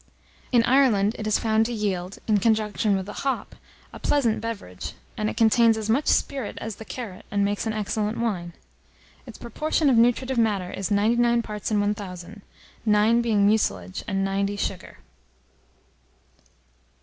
In Ireland it is found to yield, in conjunction with the hop, a pleasant beverage; and it contains as much spirit as the carrot, and makes an excellent wine. Its proportion of nutritive matter is 99 parts in 1,000; 9 being mucilage and 90 sugar.